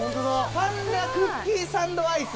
パンダクッキーサンドアイス。